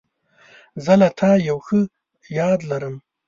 زه له تا یو ښه یاد لرم.